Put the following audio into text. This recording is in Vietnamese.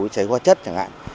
cháy hoa chất chẳng hạn